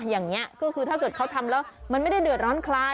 อย่างนี้ก็คือถ้าเกิดเขาทำแล้วมันไม่ได้เดือดร้อนใคร